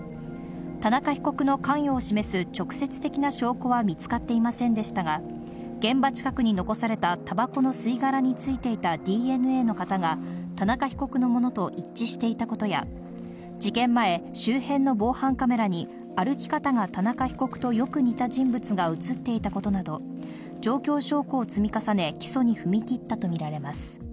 田中被告の関与を示す直接的な証拠は見つかっていませんでしたが、現場近くに残されたたばこの吸い殻についていたＤＮＡの型が、田中被告のものと一致していたことや、事件前、周辺の防犯カメラに歩き方が田中被告とよく似た人物が写っていたことなど、状況証拠を積み重ね、起訴に踏み切ったと見られます。